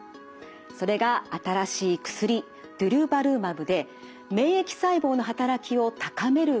それが新しい薬デュルバルマブで免疫細胞の働きを高める薬です。